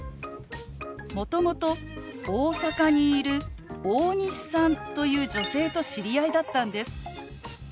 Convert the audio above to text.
もともと大阪にいる大西さんという女性と知り合いだったんです。